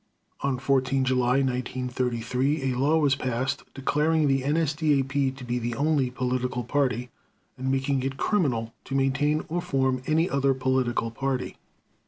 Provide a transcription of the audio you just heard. On 14 July 1933 a law was passed declaring the NSDAP to be the only political party, and making it criminal to maintain or form any other political party.